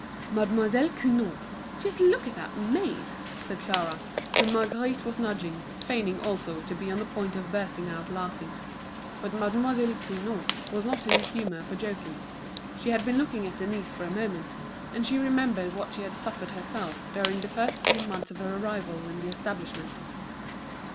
"Mademoiselle Cugnot, just look at that mane," said Clara, whom Marguerite was nudging, feigning also to be on the point of bursting out laughing. But Mademoiselle Cugnot was not in the humour for joking. She had been looking at Denise for a moment, and she remembered what she had suffered herself during the first few months of her arrival in the establishment.